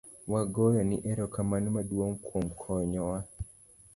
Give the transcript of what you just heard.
Wagoyo ni erokamano maduong' kuom konyo wa